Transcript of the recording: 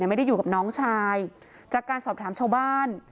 ไม่ได้อยู่กับน้องชายจากการสอบถามชาวบ้าน